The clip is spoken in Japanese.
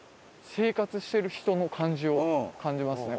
生活してる人の感じを感じますね